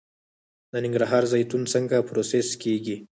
د ننګرهار زیتون څنګه پروسس کیږي؟